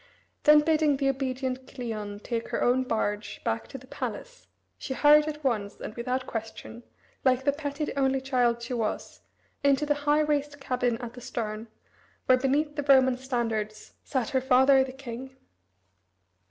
Then bidding the obedient Cleon take her own barge back to the palace, she hurried at once, and without question, like the petted only child she was, into the high raised cabin at the stern, where beneath the Roman standards sat her father the king.